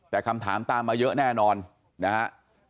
แต่คำถามตามมาเยอะแน่นอนนะฮะ